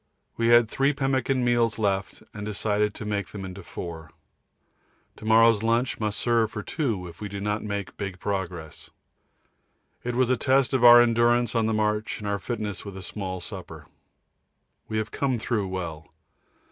We had three pemmican meals left and decided to make them into four. To morrow's lunch must serve for two if we do not make big progress. It was a test of our endurance on the march and our fitness with small supper. We have come through well.